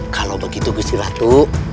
kalau begitu musti ratu